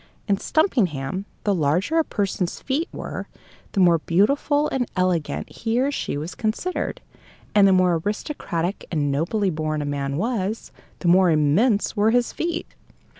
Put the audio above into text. In Stumpinghame, the larger a person's feet were, the more beautiful and elegant he or she was considered; and the more aristocratic and nobly born a man was, the more immense were his feet.